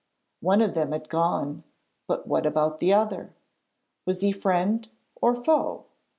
One of them had gone, but what about the other? Was he friend or foe?